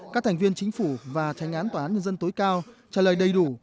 các thành viên chính phủ và tranh án tòa án nhân dân tối cao trả lời đầy đủ